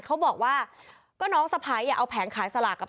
เขาบอกว่าก็น้องสะพ้ายเอาแผงขายสลากกับ